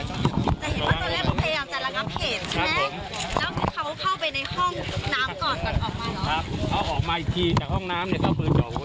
แต่เห็นว่าตอนแรกเขาพยายามหลังเอาเคทใช่ครั้งเรื่อยหลาย